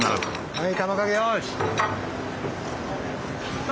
はい。